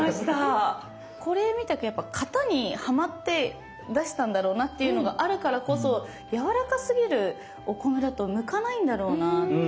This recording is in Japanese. これみたくやっぱ型にはまって出したんだろうなっていうのがあるからこそやわらかすぎるお米だと向かないんだろうなっていう。